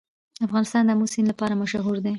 افغانستان د آمو سیند لپاره مشهور دی.